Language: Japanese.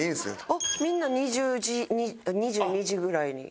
あっみんな２０時２２時ぐらいに。